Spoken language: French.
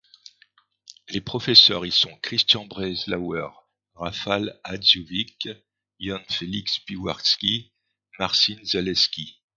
Les professeurs y sont Chrystian Breslauer, Rafał Hadziewicz, Jan Feliks Piwarski, Marcin Zaleski.